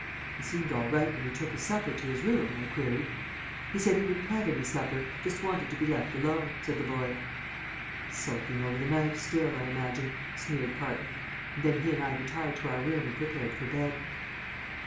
"He seemed all right when you took his supper to his room?" I queried. "He said he wouldn't have any supper. Just wanted to be left alone," said the boy. "Sulking over the knife still, I imagine," sneered Parton; and then he and I retired to our room and prepared for bed.